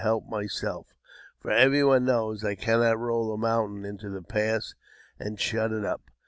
42T help myself, for every one knows I cannot roll a mountain into the pass and shut it up.